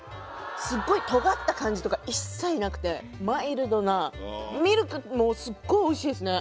すごいとがった感じとか一切なくてマイルドなミルクもすっごいおいしいっすね